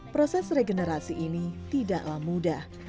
proses regenerasi ini tidaklah mudah